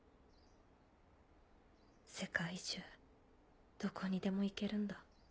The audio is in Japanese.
世界中どこにでも行けるんだ。